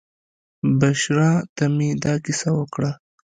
بشرا ته مې دا کیسه وکړه.